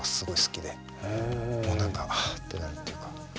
もう何かあってなるっていうか。